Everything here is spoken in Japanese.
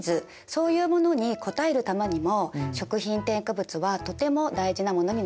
そういうものに応えるためにも食品添加物はとても大事なものになっています。